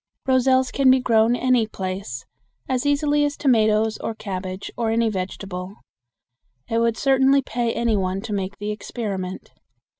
Roselles can be grown any place as easily as tomatoes or cabbage or any vegetable. It would certainly pay any one to make the experiment.